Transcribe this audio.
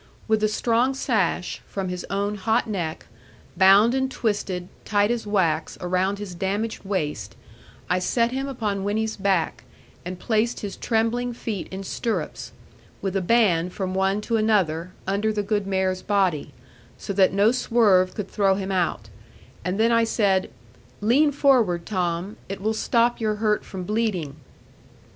With a strong sash, from his own hot neck, bound and twisted, tight as wax, around his damaged waist, I set him upon Winnie's back, and placed his trembling feet in stirrups, with a band from one to another, under the good mare's body; so that no swerve could throw him out: and then I said, 'Lean forward, Tom; it will stop your hurt from bleeding.'